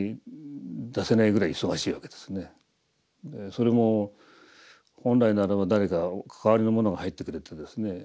それも本来ならば誰か代わりの者が入ってくれてですね